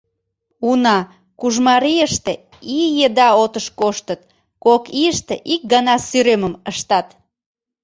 Уна, Кужмарийыште ий еда отыш коштыт, кок ийыште ик гана сӱремым ыштат.